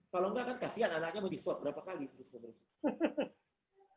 kalau nggak kan kasian anaknya mau disot berapa kali terus keberusiaan